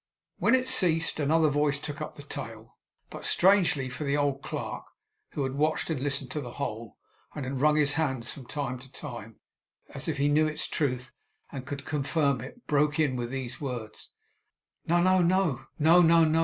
When it ceased, another voice took up the tale, but strangely; for the old clerk, who had watched, and listened to the whole, and had wrung his hands from time to time, as if he knew its truth and could confirm it, broke in with these words: 'No, no, no!